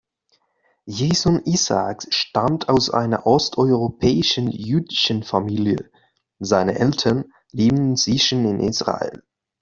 Jason Isaacs stammt aus einer osteuropäischen jüdischen Familie; seine Eltern leben inzwischen in Israel.